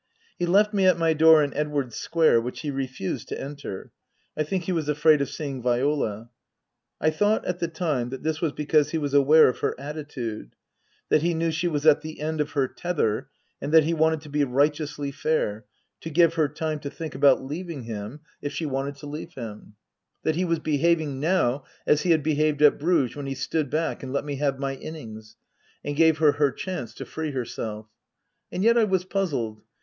He left me at my door in Edwardes Square, which he refused to enter. I think he was afraid of seeing Viola. I thought at the time that this was because he was aware of her attitude ; that he knew she was at the end of her tether, and that he wanted to be righteously fair, to give her time to think about leaving him, if she wanted to leave Book III: His Book 257 him ; that he was behaving now as he had behaved at Bruges when he stood back and let me have my innings, and gave her her chance to free herself. And yet I was puzzled.